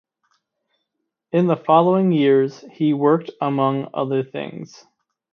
In the following years he worked among other things.